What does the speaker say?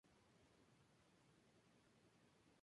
En Extremadura hay cuatro enclaves de lengua portuguesa.